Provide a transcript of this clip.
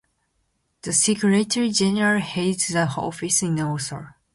The Secretary-General heads the office in Oslo.